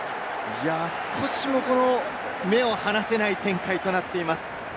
少しも目を離せない展開となっています。